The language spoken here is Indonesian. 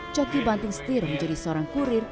coki banting setir menjadi seorang kurir